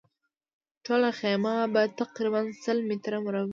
ټوله خیمه به تقریباً سل متره مربع وي.